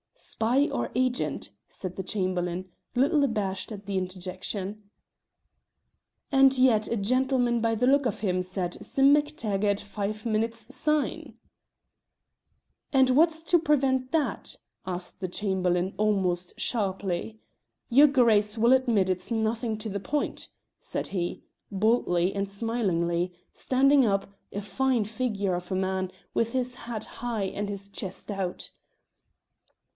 "Spy or agent," said the Chamberlain, little abashed at the interjection. "And yet a gentleman by the look of him, said Sim MacTaggart, five minutes syne." "And what's to prevent that?" asked the Chamberlain almost sharply. "Your Grace will admit it's nothing to the point," said he, boldly, and smilingly, standing up, a fine figure of a man, with his head high and his chest out.